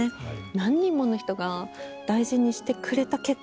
何人もの人が大事にしてくれた結果